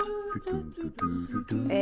え？